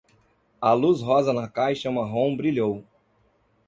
A luz rosa na caixa marrom brilhou.